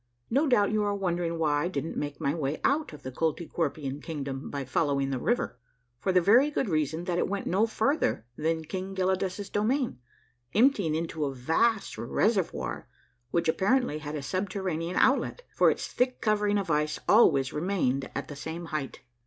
No doubt you are wondering why I didn't make my way out of the Koltykwerpian kingdom by following the river : for the very good reason that it went no farther than King Gelidus's domain, emptying into a vast reservoir which apparently had a subterranean outlet, for its thick covering of ice always re mained at the same height.